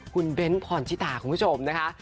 คุณเบ้นท์ภรรทิสตาของคุณผู้ชม